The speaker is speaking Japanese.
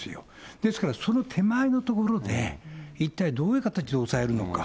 ですからその手前のところで、一体どういう形で抑えるのか。